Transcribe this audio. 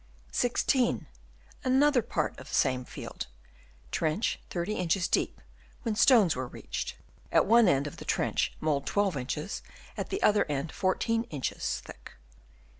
In another part of same field, trench 30 inches deep, when stones were reached ; at one end of the trench mould 12 inches, at the other end 14 inches thick